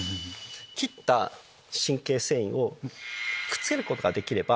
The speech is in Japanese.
切った神経線維をくっつけることができれば。